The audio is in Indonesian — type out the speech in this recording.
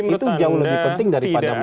itu jauh lebih penting daripada memikirkan itu